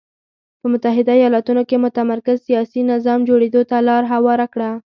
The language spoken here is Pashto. په متحده ایالتونو کې متمرکز سیاسي نظام جوړېدو ته لار هواره کړه.